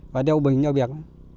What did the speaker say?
và đeo bình cho biệt